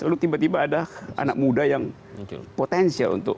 lalu tiba tiba ada anak muda yang potensial untuk